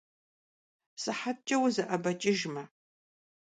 Sıhetç'e vuze'ebeç'ıjjme.